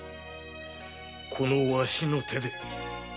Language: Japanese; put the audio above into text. このわしの手で。